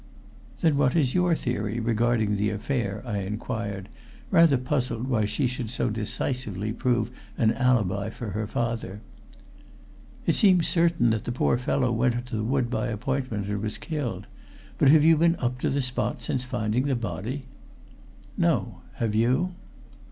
"Then what is your theory regarding the affair?" I inquired, rather puzzled why she should so decisively prove an alibi for her father. "It seems certain that the poor fellow went to the wood by appointment, and was killed. But have you been up to the spot since the finding of the body?" "No. Have you?"